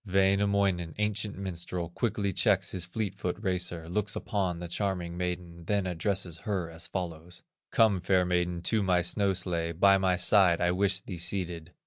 Wainamoinen, ancient minstrel, Quickly checks his fleet foot racer, Looks upon the charming maiden, Then addresses her as follows: "Come, fair maiden, to my snow sledge, By my side I wish thee seated."